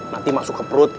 nanti masuk ke perut